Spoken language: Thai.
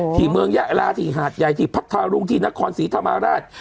ที่เมืองยะลาที่หาดใหญ่ที่พัทธารุงที่นครศรีธรรมราช